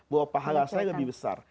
bahwa pahala saya lebih besar